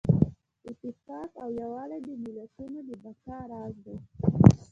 اتفاق او یووالی د ملتونو د بقا راز دی.